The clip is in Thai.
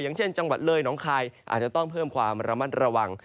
อย่างเช่นจังหวัดเลยน้องคายอาจจะต้องเพิ่มความระมัดระวัง